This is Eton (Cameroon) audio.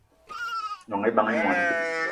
Gnong ebag í moní